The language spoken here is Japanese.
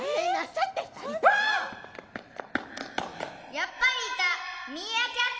・・やっぱりいた！